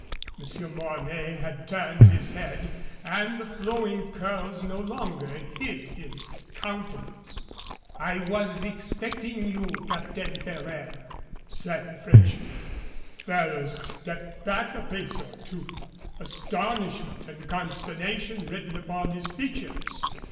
Monsieur Mornay had turned his head, and the flowing curls no longer hid his countenance. "I was expecting you, Capitaine Ferraire," said the Frenchman. Ferrers stepped back a pace or two, astonishment and consternation written upon his features.